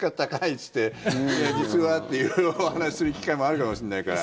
っていって実はって色々お話する機会もあるかもしれないから。